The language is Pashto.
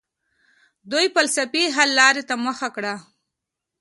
دوی فلسفي حل لارې ته مخه کړه.